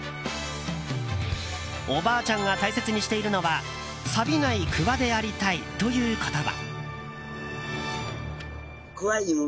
おばあちゃんが大切にしているのはさびないくわでありたいという言葉。